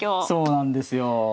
そうなんですよ。